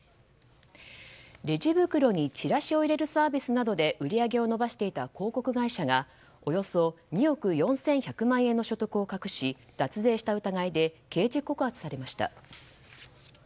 レジ袋にチラシを入れるサービスなどで売り上げを伸ばしていた広告会社がおよそ２億４１００万円の所得を隠し脱税した疑いで刑事告発されました。